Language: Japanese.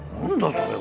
それは。